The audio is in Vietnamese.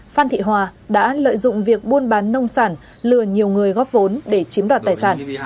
phan thị hòa đã lợi dụng việc buôn bán nông sản lừa nhiều người góp vốn để chiếm đoạt tài sản